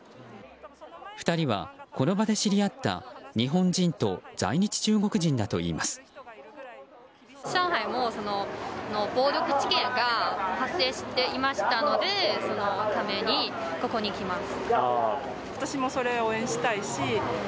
２人は、この場で知り合った日本人と在日中国人だといいます。